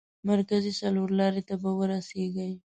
مرکزي څلور لارې ته به ورسېږئ.